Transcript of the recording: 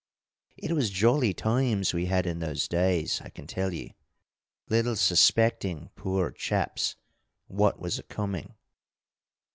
It was jolly times we had in those days, I can tell you little suspecting, poor chaps! what was a coming.